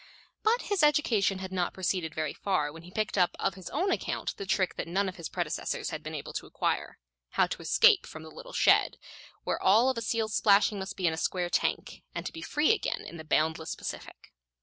But his education had not proceeded very far when he picked up of his own account the trick that none of his predecessors had been able to acquire how to escape from the little shed, where all a seal's splashing must be in a square tank, and to be free again in the boundless Pacific.